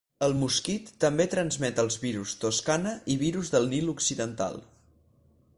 El mosquit també transmet els virus Toscana i virus del Nil Occidental.